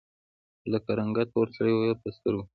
له رنګه تور سړي وويل: په سترګو!